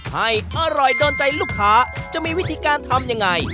ให้อร่อยโดนใจลูกค้าจะมีวิธีการทำยังไง